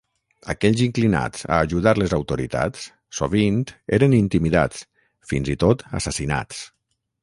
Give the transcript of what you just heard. Aquells inclinats a ajudar les autoritats sovint eren intimidats, fins i tot assassinats.